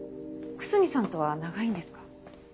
楠見さんとは長いんですか？